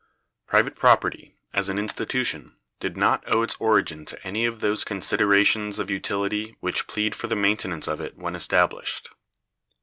Private property, as an institution, did not owe its origin to any of those considerations of utility which plead for the maintenance of it when established.